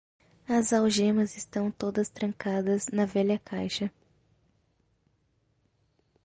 As algemas estão todas trancadas na velha caixa.